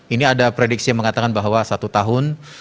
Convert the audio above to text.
ini ada prediksi yang mengatakan bahwa satu tahun